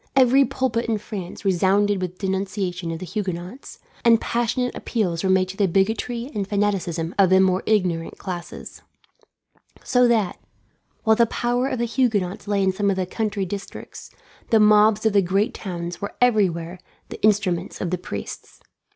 Every pulpit in France resounded with denunciations of the Huguenots, and passionate appeals were made to the bigotry and fanaticism of the more ignorant classes; so that, while the power of the Huguenots lay in some of the country districts, the mobs of the great towns were everywhere the instruments of the priests.